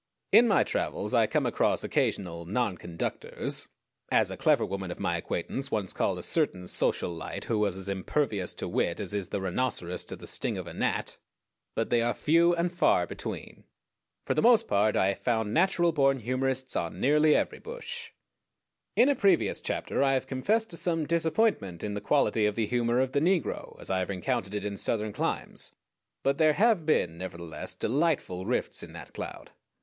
In my travels I come across occasional "nonconductors," as a clever woman of my acquaintance once called a certain social light who was as impervious to wit as is the rhinoceros to the sting of a gnat; but they are few and far between. For the most part I have found natural born humorists on nearly every bush. In a previous chapter I have confessed to some disappointment in the quality of the humor of the negro as I have encountered it in Southern climes; but there have been, nevertheless, delightful rifts in that cloud.